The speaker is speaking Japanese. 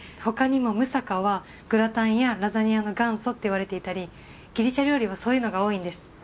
他にもムサカはグラタンやラザニアの元祖って言われていたりギリシャ料理はそういうのが多いんです。